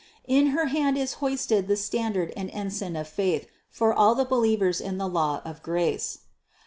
In her hand is hoisted the standard and ensign of faith for all the believers in the law of grace.